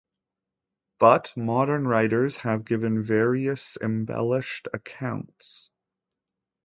But modern writers have given various embellished accounts.